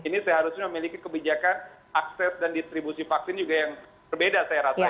ini seharusnya memiliki kebijakan akses dan distribusi vaksin juga yang berbeda saya rasa ya